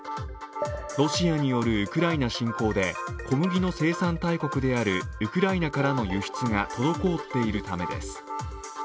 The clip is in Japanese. ロシアによるウクライナ侵攻で小麦の生産大国であるウクライナからの輸出が滞っているためです。